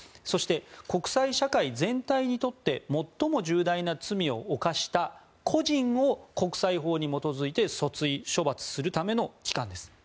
そして、国際社会全体にとって最も重大な罪を犯した個人を国際法に基づいて訴追・処罰するための機関です。